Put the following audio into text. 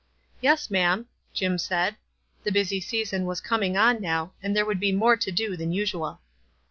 "Yes, ma'am," Jim said. The busy season was coming on now, and there would be more to do than usual.